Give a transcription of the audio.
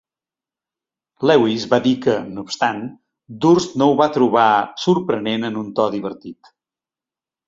Lewis va dir que, no obstant, Durst no ho va trobar sorprenent en un to divertit.